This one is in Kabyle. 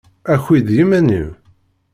Aki-d d yiman-im!